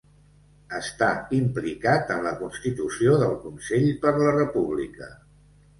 Està implicat en la constitució del Consell per la República.